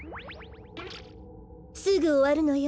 すぐおわるのよ。